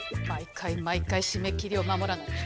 毎回毎回締め切りを守らない。